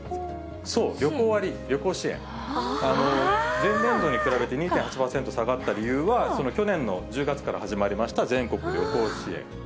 前年度に比べて２．８％下がった理由は、去年の１０月から始まりました、全国旅行支援。